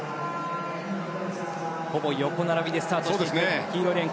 ほぼ横並びでスタートして黄色いレーン